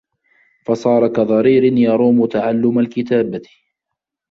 فَصَارَ كَضَرِيرٍ يَرُومُ تَعَلُّمَ الْكِتَابَةِ